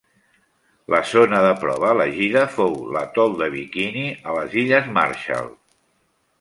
La zona de prova elegida fou l'atol de Bikini, a les Illes Marshall.